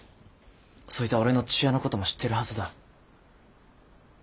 そいつは俺の父親のことも知ってるはずだ。